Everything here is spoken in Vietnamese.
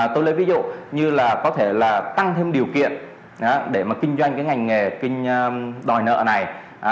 tôi lấy ví dụ như là có thể tăng thêm điều kiện để kinh doanh ngành nghề đòi nợ này